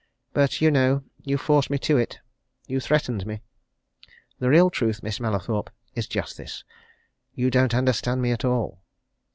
But, you know, you forced me to it! You threatened me. The real truth, Miss Mallathorpe, is just this you don't understand me at all.